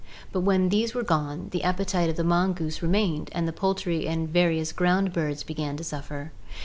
But when these were gone, the appetite of the mongoose remained, and the poultry and various ground birds began to suffer.